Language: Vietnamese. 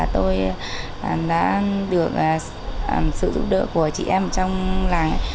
tôi đã được sự giúp đỡ của chị em trong làng